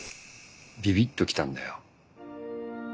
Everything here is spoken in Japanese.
ビビっと来たんだよ